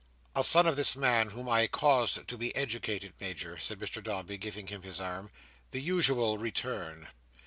"A son of this man's whom I caused to be educated, Major," said Mr Dombey, giving him his arm. "The usual return!"